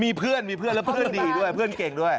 มีเพื่อนมีเพื่อนแล้วเพื่อนดีด้วยเพื่อนเก่งด้วย